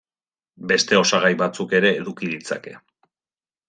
Beste osagai batzuk ere eduki ditzake.